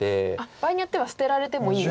場合によっては捨てられてもいいという。